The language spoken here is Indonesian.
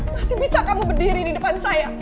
masih bisa kamu berdiri di depan saya